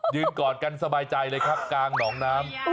กอดกันสบายใจเลยครับกลางหนองน้ำ